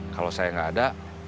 kalau saya gak ada